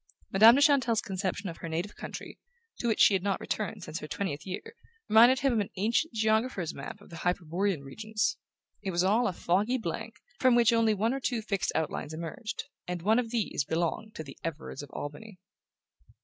Madame de Chantelle's conception of her native country to which she had not returned since her twentieth year reminded him of an ancient geographer's map of the Hyperborean regions. It was all a foggy blank, from which only one or two fixed outlines emerged; and one of these belonged to the Everards of Albany.